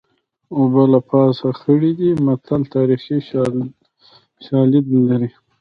اوبه له پاسه خړې دي متل تاریخي شالید لري